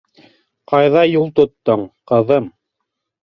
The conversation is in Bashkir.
Ҡайҙа юл тоттоң, ҡыҙым?